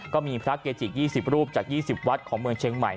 ก็มีพระเกจิ๒๐รูปจาก๒๐วัดของเมืองเชียงใหม่